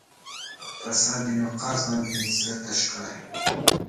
پر سعد بن وقاص باندې یې زړه تش کړی.